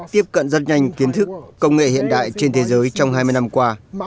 tiếp cận rất nhanh kiến thức công nghệ hiện đại trên thế giới trong hai mươi năm qua